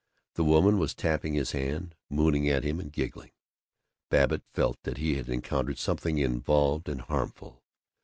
The woman was tapping his hand, mooning at him and giggling. Babbitt felt that he had encountered something involved and harmful.